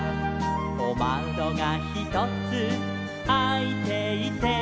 「おまどがひとつあいていて」